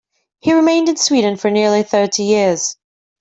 He remained in Sweden for nearly thirty years.